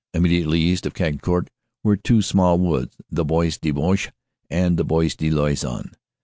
Immediately east of Cagnicourt were two small woods the Bois de Bouche and the Bois de Loison.